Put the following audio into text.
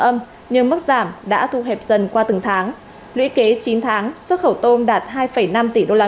âm nhưng mức giảm đã thu hẹp dần qua từng tháng lũy kế chín tháng xuất khẩu tôm đạt hai năm tỷ usd